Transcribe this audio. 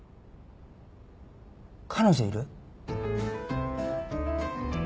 彼女いる？